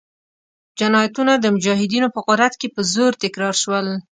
جنایتونه د مجاهدینو په قدرت کې په زور تکرار شول.